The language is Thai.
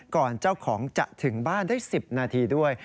เจ้าของจะถึงบ้านได้๑๐นาทีด้วย